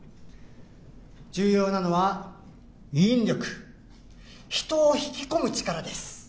重要なのは引力人を引き込む力です